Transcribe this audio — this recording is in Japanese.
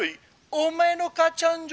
お前の母ちゃん情弱！